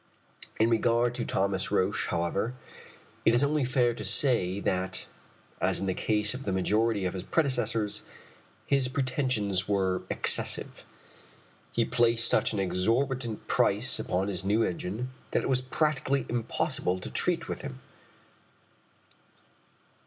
In regard to Thomas Roch, however, it is only fair to say that, as in the case of the majority of his predecessors, his pretensions were excessive. He placed such an exorbitant price upon his new engine that it was practicably impossible to treat with him.